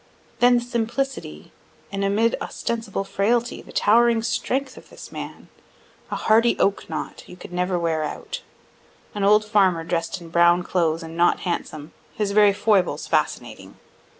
Then the simplicity and amid ostensible frailty the towering strength of this man a hardy oak knot, you could never wear out an old farmer dress'd in brown clothes, and not handsome his very foibles fascinating.